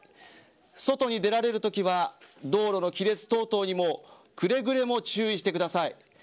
外に出られるときは道路の亀裂等々にもくれぐれも注意してください。